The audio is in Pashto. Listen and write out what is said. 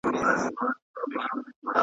ته یې سل ځله لمبه کړه زه به بل درته لیکمه .